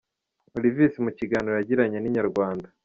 Olivis mu kiganiro yagiranye na Inyarwanda.